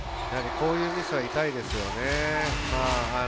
こういうミスは痛いですよね。